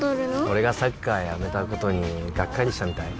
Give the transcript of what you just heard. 俺がサッカーやめたことにガッカリしたみたい？